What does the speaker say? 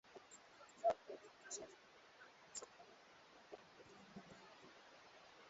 Weye wende ku masomo kesho njo tutenda kurima